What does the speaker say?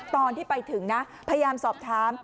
ตอนที่ไปถึงนะพยายามสอบถาม